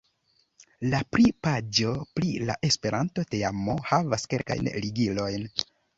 La pri-paĝo pri la Esperanto-teamo havas kelkajn ligilojn.